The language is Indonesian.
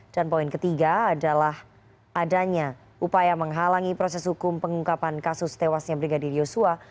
dan poin ketiga adalah adanya upaya menghalangi proses hukum pengungkapan kasus tewasnya brigadir yosua